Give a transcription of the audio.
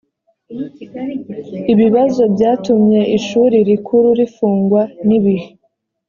ibibazo byatumye ishuri rikuru rifungwa nibihe